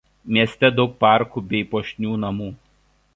Mieste daug parkų bei puošnių namų.